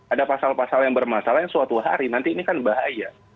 ada pasal pasal yang bermasalah yang suatu hari nanti ini kan bahaya